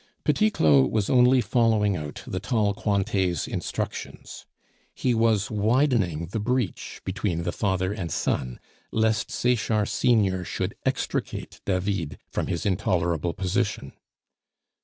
Petit Claud was only following out the tall Cointet's instructions. He was widening the breach between the father and son, lest Sechard senior should extricate David from his intolerable position.